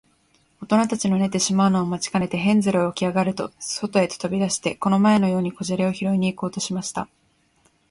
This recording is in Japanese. おとなたちの寝てしまうのを待ちかねて、ヘンゼルはおきあがると、そとへとび出して、この前のように小砂利をひろいに行こうとしました。